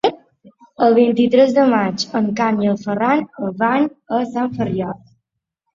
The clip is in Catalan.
El vint-i-tres de maig en Cai i en Ferran van a Sant Ferriol.